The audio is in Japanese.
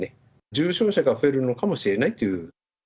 重症者が増えるのかもしれないっていう。